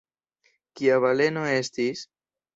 Kia baleno estis?